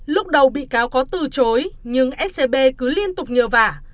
lúc đầu bị cáo có từ chối nhưng scb cứ liên tục nhờ vả